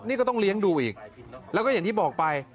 นี่ก็ต้องเลี้ยงดูอีกแล้วก็อย่างที่บอกไป